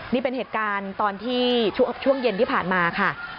นี่เป็นเหตุการณ์ตอนที่ช่วงเย็นที่ผ่านมาค่ะ